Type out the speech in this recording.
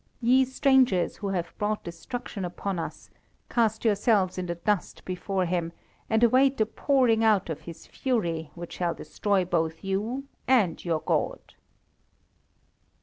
Ye strangers, who have brought destruction upon us, cast yourselves in the dust before him, and await the pouring out of his fury, which shall destroy both you and your God!"